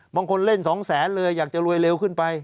บางคนเล่นสองแสนเลยอยากจะรวยเร็วขึ้นไป